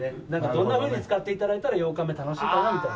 どんなふうに使って頂いたら８日目楽しいかなみたいな。